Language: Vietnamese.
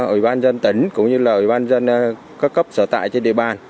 ủy ban dân tỉnh cũng như là ủy ban dân các cấp sở tại trên địa bàn